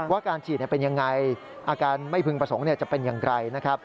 ว่าการฉีดเป็นอย่างไรอาการไม่พึงประสงค์จะเป็นอย่างไร